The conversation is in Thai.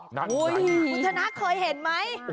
น้าชายมุชน้าเคยเห็นไหม